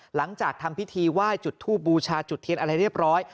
หลังจากทำพิธีไหว้จุดทูบบูชาจุดเทียนอะไรเรียบร้อย